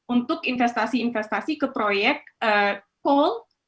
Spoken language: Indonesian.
untuk investasi investasi ke proyek coal